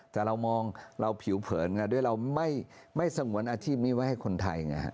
แต่เรามองเราผิวเผินไงด้วยเราไม่สงวนอาชีพนี้ไว้ให้คนไทย